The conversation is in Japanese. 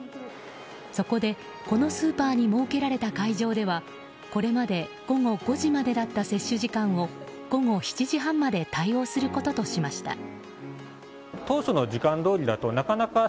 そこで、このスーパーに設けられた会場ではこれまで午後５時までだった接種時間を、午後７時半まで対応することとしました。